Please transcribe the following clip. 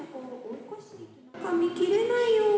かみ切れないよ。